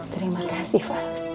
terima kasih fat